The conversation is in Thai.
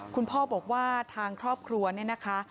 คุณพ่อบอกว่าทางครอบครัวเนี่ยนะคะ